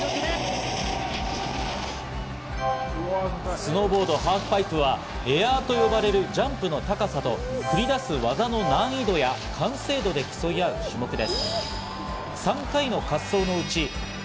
スノーボード・ハーフパイプはエアと呼ばれるジャンプの高さと繰り出す技の難易度や完成度で競い合う距離です。